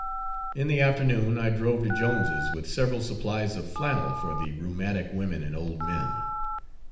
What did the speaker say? In the afternoon, I drove to Jones's with several supplies of flannel for the rheumatic women and old men.